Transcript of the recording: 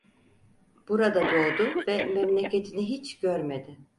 Burada doğdu ve memleketini hiç görmedi.